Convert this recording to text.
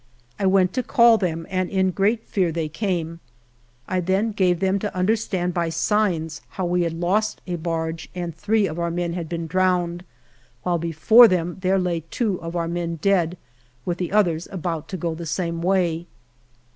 I went to call them, and in great fear they came. I then gave them to understand by signs how we had lost a barge and three of our men had been drowned, while before them there lay two of our men dead, with the others about to go the same way.